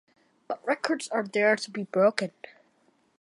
But records are there to be broken.